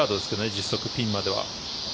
実測、ピンまでは。